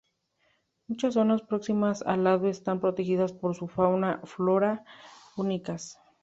Muchas zonas próximas al lago están protegidas por su fauna y flora únicas.